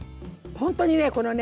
ほんとにねこのね